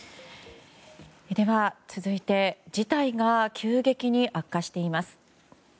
続いて、事態が急激に悪化しています。